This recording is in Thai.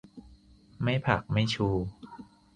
ไม่ผัก ไม่ชู